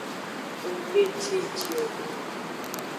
Nggbe ciji o.